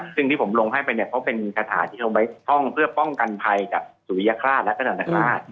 ซึ่งที่ผมลงให้ไปเนี่ยเขาเป็นคาถาที่เข้าไปท่องเพื่อป้องกันภัยจากสุริยฆราชและกระดับนักภาษณ์